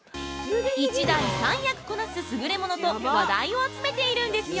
◆１台３役こなす優れ物と話題を集めているんですよ！